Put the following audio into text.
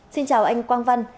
xin chào anh quang văn